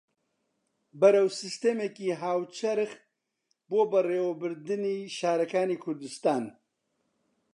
بەرەو سیستەمێکی هاوچەرخ بۆ بەڕێوەبردنی شارەکانی کوردستان